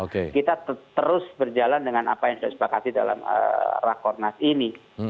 kita terus berjalan dengan apa yang saya sepakati dalam rakornas ini